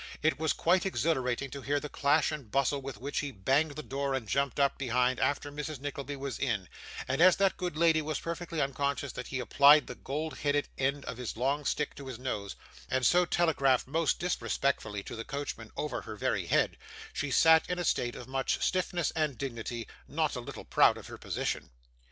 It was quite exhilarating to hear the clash and bustle with which he banged the door and jumped up behind after Mrs. Nickleby was in; and as that good lady was perfectly unconscious that he applied the gold headed end of his long stick to his nose, and so telegraphed most disrespectfully to the coachman over her very head, she sat in a state of much stiffness and dignity, not a little proud of her position.